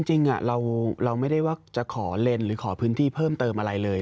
จริงเราไม่ได้ว่าจะขอเลนหรือขอพื้นที่เพิ่มเติมอะไรเลย